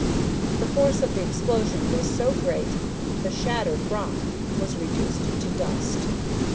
The force of the explosion was so great that the shattered rock was reduced to dust.